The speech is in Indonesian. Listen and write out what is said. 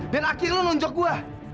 dan akhirnya lo nonjok gue